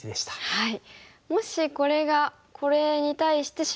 はい。